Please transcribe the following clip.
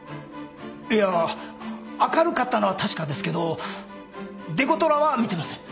いやぁ明るかったのは確かですけどデコトラは見てません。